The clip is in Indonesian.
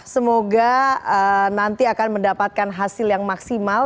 semoga nanti akan mendapatkan hasil yang maksimal